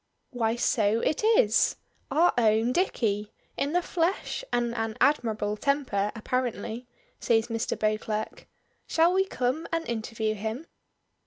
"Why, so it is! Our own Dicky, in the flesh and an admirable temper apparently," says Mr. Beauclerk. "Shall we come and interview him?"